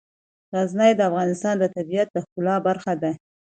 غزني د افغانستان د طبیعت د ښکلا برخه ده.